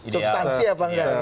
substansi apa enggak